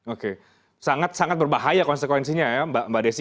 oke sangat sangat berbahaya konsekuensinya ya mbak desi